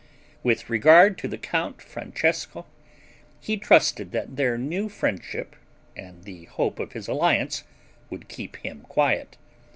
With regard to the Count Francesco, he trusted that their new friendship, and the hope of his alliance would keep him quiet.